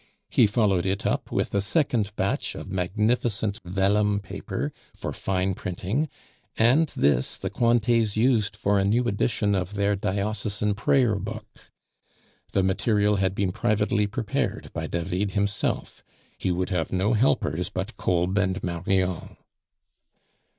He followed it up with a second batch of magnificent vellum paper for fine printing, and this the Cointets used for a new edition of their diocesan prayer book. The material had been privately prepared by David himself; he would have no helpers but Kolb and Marion.